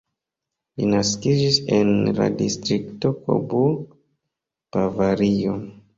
Li naskiĝis en la distrikto Coburg, Bavario.